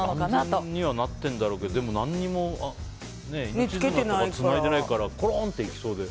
安全にはなっているだろうけど何もつないでないからコロンっていきそうです。